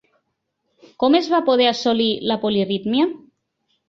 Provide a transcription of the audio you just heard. Com es va poder assolir la polirítmia?